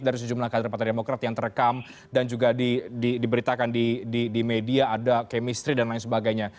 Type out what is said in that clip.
dari sejumlah kader partai demokrat yang terekam dan juga diberitakan di media ada chemistry dan lain sebagainya